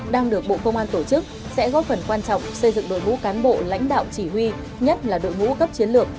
đang được bộ công an tổ chức sẽ góp phần quan trọng xây dựng đội ngũ cán bộ lãnh đạo chỉ huy nhất là đội ngũ cấp chiến lược